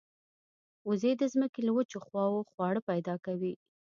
وزې د زمکې له وچو خواوو خواړه پیدا کوي